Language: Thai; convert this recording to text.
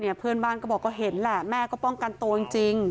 เพื่อนบ้านก็บอกก็เห็นแหละแม่ก็ป้องกันตัวจริง